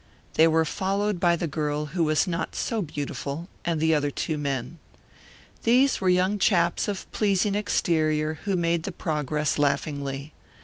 They were followed by the girl who was not so beautiful and the other two men. These were young chaps of pleasing exterior who made the progress laughingly.